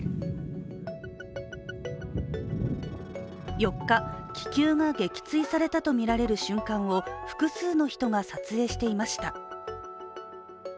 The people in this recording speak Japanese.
４日、気球が撃墜したとみられる瞬間を複数の人が撮影していました。